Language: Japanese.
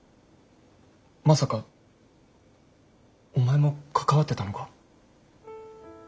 まさかお前も関わってたのか？